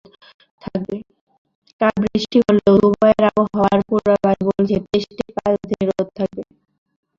কাল বৃষ্টি হলেও দুবাইয়ের আবহাওয়ার পূর্বাভাস বলছে, টেস্টের পাঁচ দিনই রোদ থাকবে।